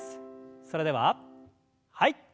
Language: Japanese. それでははい。